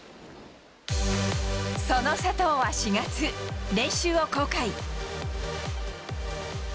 その佐藤は４月練習を公開。